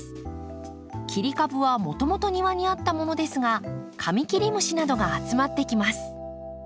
切り株はもともと庭にあったものですがカミキリムシなどが集まってきます。